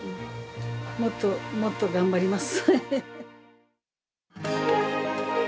もっともっと頑張ります。